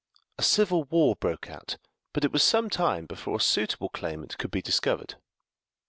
A civil war broke out, but it was some time before a suitable claimant could be discovered.